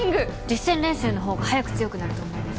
実戦練習のほうが早く強くなると思います。